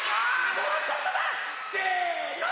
もうちょっとだ！せの！